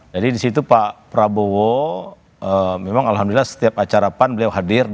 jadi disitu pak prabowo memang alhamdulillah setiap acara pan beliau hadir di sini